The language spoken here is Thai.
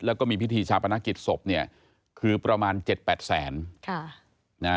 แล้วก็มีพิธีชาปณะกิจศพคือประมาณ๗๘แสน